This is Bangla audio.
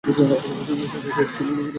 তুমি নিজেকে কী ভাবছ?